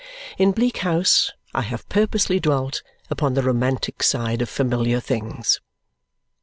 In Bleak House I have purposely dwelt upon the romantic side of familiar things.